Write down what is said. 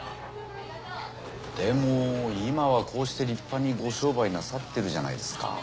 でも今はこうして立派にご商売なさってるじゃないですか。